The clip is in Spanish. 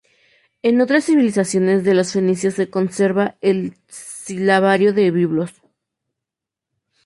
En otras civilizaciones, de los fenicios se conserva el Silabario de Biblos.